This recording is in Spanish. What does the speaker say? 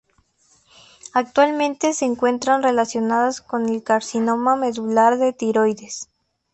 Actualmente se encuentran relacionadas con el carcinoma medular de tiroides.